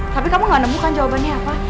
tapi kamu gak nemukan jawabannya apa